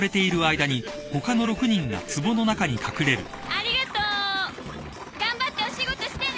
ありがとう！頑張ってお仕事してね！